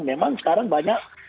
memang sekarang banyak